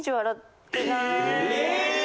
え！